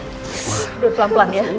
udah pelan pelan ya